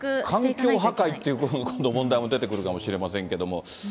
環境破壊ということも今度、問題も出てくるかもしれませんけれども。